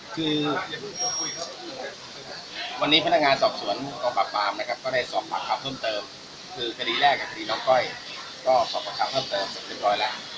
คือวันนี้พนักงานสอบสวนกองปราบปรามนะครับก็ได้สอบปากคำเพิ่มเติมคือคดีแรกคดีน้องก้อยก็สอบประคำเพิ่มเติมเสร็จเรียบร้อยแล้ว